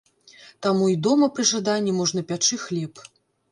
Таму і дома пры жаданні можна пячы хлеб.